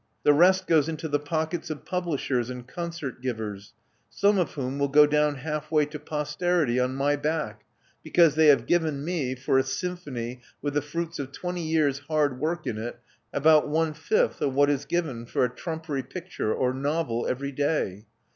The rest goes into the pockets of publishers and concert givers, some of whom will go down half way to posterity on my back because they have given me, for a symphony with the fruits of twenty years' hard work in it, about one fifth of what is given for a trumpery picture or novel everyday.